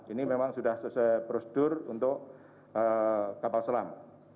ini memang sudah sesuai prosedur untuk kapal selam